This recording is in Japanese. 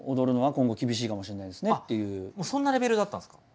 そんなレベルだったんですね。